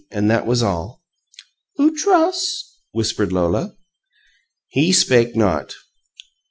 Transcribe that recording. And that was all. "Oo tross?" whispered Lola. He spake not.